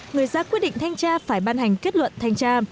người ra quyết định thanh tra phải ban hành kết luận thanh tra